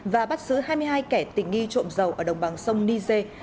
và bắt giữ hai mươi hai kẻ tình nghi trộm dầu ở đồng bằng sông niger